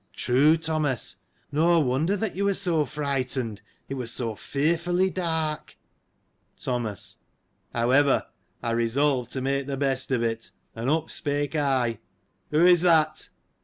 — True, Thomas, no wonder that you were so frighten ed, it was so fearfully dark ! Thomas. — However, I resolved to make the best of it, and up spake I. "Who is that?"